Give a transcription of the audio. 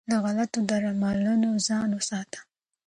له غلطو درملنو ځان وساته.